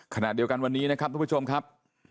ขณะเดียวกันวันนี้นะครับทุกผู้ชมครับ